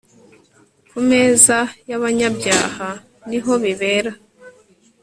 kumeza yabanyabyaha ni ho bibera